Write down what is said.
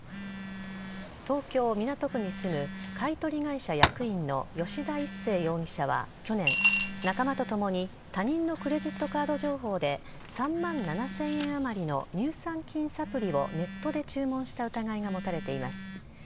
東京・港区に住む買い取り会社役員の吉田一誠容疑者は去年、仲間と共に他人のクレジットカード情報で、３万７０００円余りの乳酸菌サプリをネットで注文した疑いが持たれています。